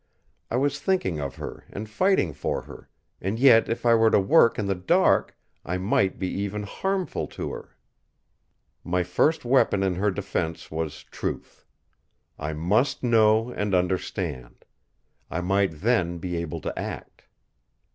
I was thinking of her and fighting for her; and yet if I were to work in the dark, I might be even harmful to her. My first weapon in her defence was truth. I must know and understand; I might then be able to act.